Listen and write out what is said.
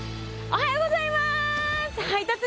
おはようございます！